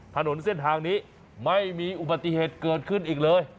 ถนนเส้นทางนี้ไม่มีอุบัติเหตุเกิดขึ้นอีกเลย